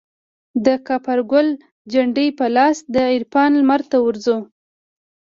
دکاپرګل جنډې په لاس دعرفان لمرته ورځو